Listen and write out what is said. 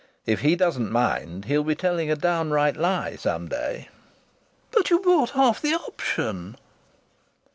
"If he doesn't mind he'll be telling a downright lie some day." "But you bought half the option!"